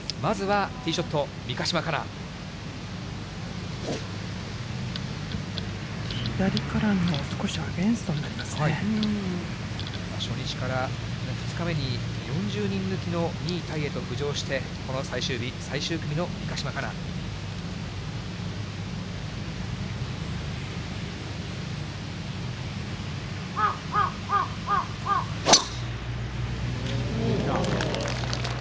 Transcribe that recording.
まずはティーショット、左からの少しアゲンストにな初日から２日目に４０人抜きの２位タイへと浮上して、この最終日、最終組の三ヶ島かな。